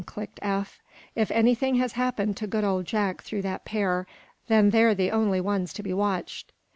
clicked Eph. "If anything has happened to good old Jack through that pair, then they're the only ones to be watched!"